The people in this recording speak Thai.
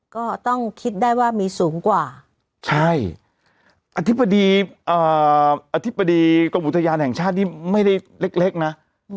ก็ต้องคิดได้ว่ามีสูงกว่าใช่อธิบดีอธิบดีกรมอุทยานแห่งชาตินี่ไม่ได้เล็กนะ